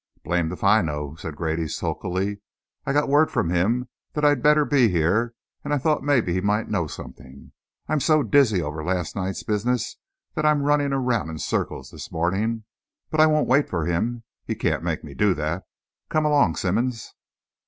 "Blamed if I know," said Grady sulkily. "I got word from him that I'd better be here, and I thought maybe he might know something. I'm so dizzy over last night's business that I'm running around in circles this morning. But I won't wait for him. He can't make me do that! Come along, Simmonds."